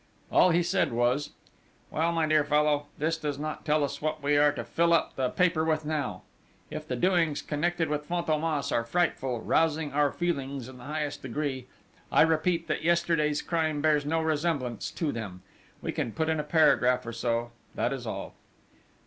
All he said was: "Well, my dear fellow, this does not tell us what we are to fill up the paper with now!... If the doings connected with Fantômas are frightful, rousing our feelings in the highest degree, I repeat that yesterday's crime bears no resemblance to them: we can put in a paragraph or so that is all!"